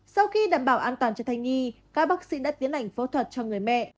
sau khi đảm bảo an toàn cho thai nhi các bác sĩ đã tiến hành phẫu thuật cho người mẹ